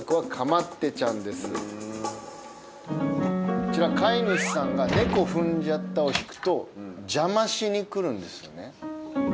こちら飼い主さんが『猫踏んじゃった』を弾くと邪魔しに来るんですよね。